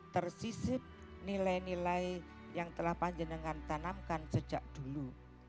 tersisip nilai nilai yang telah panjenengan tanamkan sejak dulu